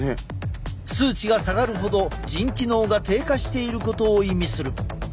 数値が下がるほど腎機能が低下していることを意味する。